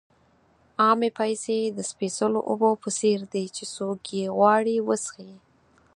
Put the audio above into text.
عامې پیسې د سپېڅلو اوبو په څېر دي چې څوک یې غواړي وڅښي.